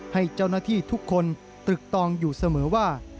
ให้เจ้าหน้าที่ทุกคนตึกตองอยู่เสมอว่า